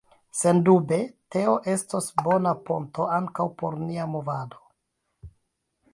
Sendube, teo estos bona ponto ankaŭ por nia Movado.